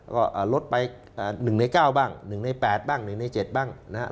ก็ลดไป๑ใน๙บ้าง๑ใน๘บ้าง๑ใน๗บ้างนะครับ